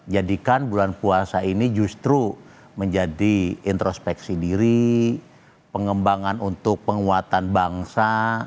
jadikan bulan puasa ini justru menjadi introspeksi diri pengembangan untuk penguatan bangsa